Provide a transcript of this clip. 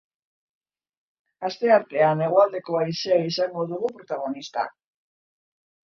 Asteartean hegoealdeko haizea izango dugu protagonista.